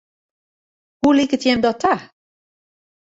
Hoe liket jim dat ta?